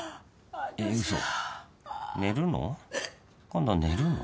今度寝るの？